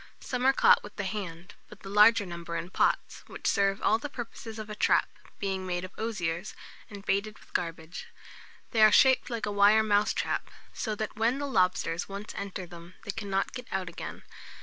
Some are caught with the hand, but the larger number in pots, which serve all the purposes of a trap, being made of osiers, and baited with garbage. They are shaped like a wire mousetrap; so that when the lobsters once enter them, they cannot get out again.